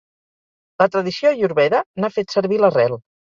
La tradició Ayurveda n'ha fet servir l'arrel.